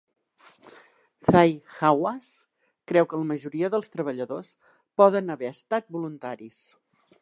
Zahi Hawass creu que la majoria dels treballadors poden haver estat voluntaris.